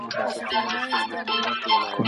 کله چې موږ لوبه وګټله نو ډېر خوشاله وو.